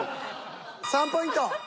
３ポイント。